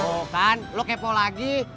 oh kan lo kepo lagi